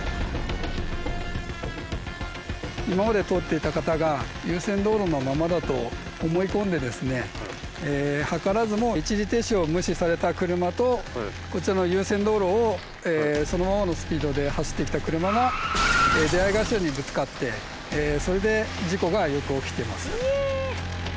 今まで通っていた方が優先道路のままだと思い込んで図らずも一時停止を無視された車とこちらの優先道路をそのままのスピードで走ってきた車が出会い頭にぶつかってそれで事故がよく起きています。